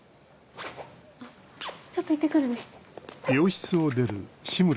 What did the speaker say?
ちょっと行って来るね。